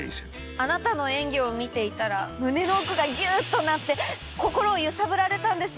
あなたの演技を見ていたら胸の奥がギューっとなって心を揺さぶられたんです。